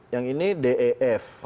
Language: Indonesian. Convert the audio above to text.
yang ini def